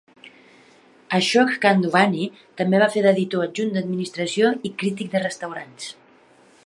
Ashok Chandwani també va fer d'editor adjunt d'administració i crític de restaurants.